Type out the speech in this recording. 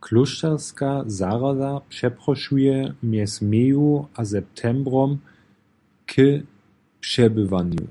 Klóšterska zahroda přeprošuje mjez meju a septembrom k přebywanju.